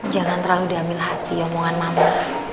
jangan terlalu diambil hati omongan mama